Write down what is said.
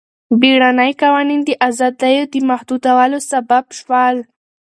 بیړني قوانین د ازادیو د محدودولو سبب شول.